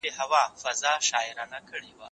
زه کولای سم تمرين وکړم!.